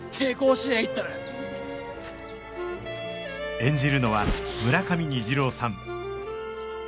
演じるのは村上虹郎さん